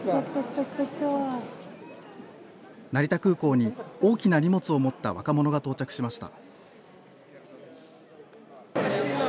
成田空港に大きな荷物を持った若者が到着しました。